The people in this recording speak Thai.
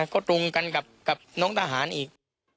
ก็ตรงกันกับน้องทหารอีก